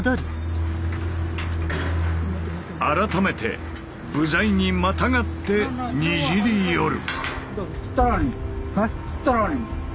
改めて部材にまたがってにじり寄る。